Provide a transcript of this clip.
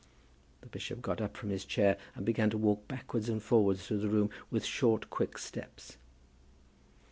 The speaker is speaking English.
The bishop got up from his chair and began to walk backwards and forwards through the room with short quick steps.